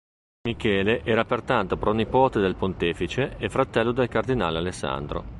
Michele era pertanto pronipote del pontefice e fratello del cardinale Alessandro.